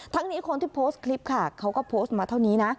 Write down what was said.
นี้คนที่โพสต์คลิปค่ะเขาก็โพสต์มาเท่านี้นะ